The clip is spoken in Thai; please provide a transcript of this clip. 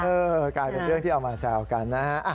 กลายเป็นเรื่องที่เอามาแซวกันนะฮะ